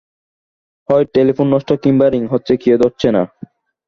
হয় টেলিফোন নষ্ট, কিংবা রিং হচ্ছে, কেউ ধরছে না।